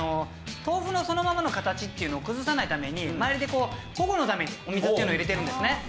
豆腐のそのままの形っていうのを崩さないために周りで保護のためにお水っていうのを入れてるんですね。